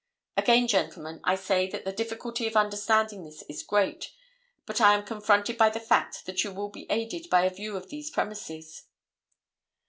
Again, gentlemen, I say that the difficulty of understanding this is great, but I am confronted by the fact that you will be aided by a view of these premises.